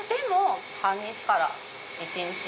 半日から一日。